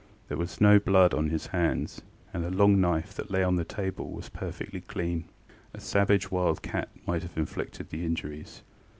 There was no blood on his hands, and a long knife that lay on the table was perfectly clean. A savage wild cat might have inflicted the injuries.